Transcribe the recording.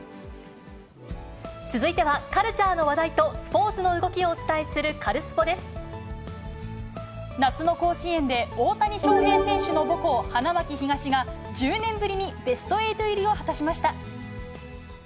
続いては、カルチャーの話題とスポーツの動きをお伝えする、カルスポっ！で夏の甲子園で、大谷翔平選手の母校、花巻東が１０年ぶりにベスト８入りを果たしました。